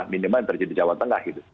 minimal yang terjadi di jawa tengah gitu